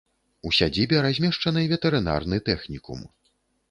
У сядзібе размешчаны ветэрынарны тэхнікум.